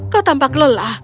kau tampak lelah